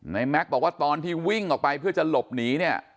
แม็กซ์บอกว่าตอนที่วิ่งออกไปเพื่อจะหลบหนีเนี่ย